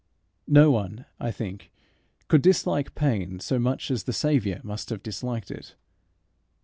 No one, I think, could dislike pain so much as the Saviour must have disliked it.